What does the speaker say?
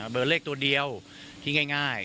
เบอร์เลขตัวเดียวที่ง่าย